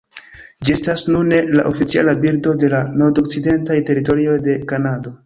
Ĝi estas nune la oficiala birdo de la Nordokcidentaj Teritorioj de Kanado.